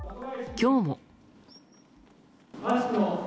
今日も。